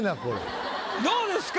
どうですか？